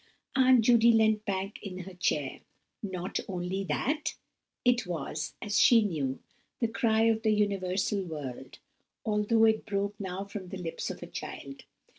Aunt Judy leant back in her chair. "Only not that." It was, as she knew, the cry of the universal world, although it broke now from the lips of a child.